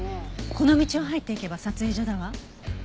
この道を入っていけば撮影所だわ。